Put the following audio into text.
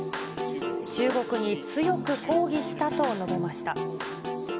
中国に強く抗議したと述べました。